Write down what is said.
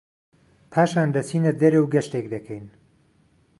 پاشان دەچینە دەرێ و گەشتێک دەکەین